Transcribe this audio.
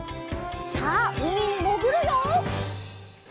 さあうみにもぐるよ！